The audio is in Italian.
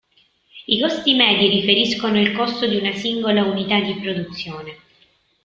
I costi medi riferiscono il costo di una singola unità di produzione.